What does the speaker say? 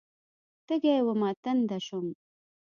تږې ومه، تنده شوم